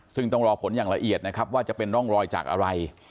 ซึ่งต้องรอผลอย่างละเอียดนะครับว่าจะเป็นร่องรอยจากอะไร